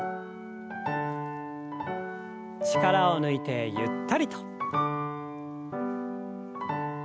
力を抜いてゆったりと。